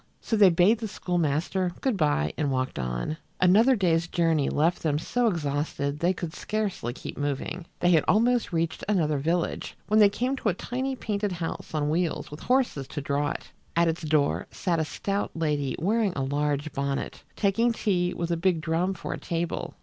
So they bade the schoolmaster good by and walked on. Another day's journey left them so exhausted they could scarcely keep moving. They had almost reached another village when they came to a tiny painted house on wheels with horses to draw it. At its door sat a stout lady wearing a large bonnet, taking tea with a big drum for a table.